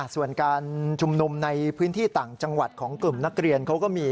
ส่วนการชุมนุมในพื้นที่ต่างจังหวัดของกลุ่มนักเรียนเขาก็มี